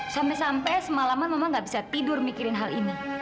sampai sampai semalaman mama gak bisa tidur mikirin hal ini